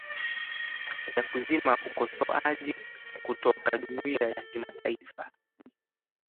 ya kuzima ukosoaji kutoka jumuiya ya kimataifa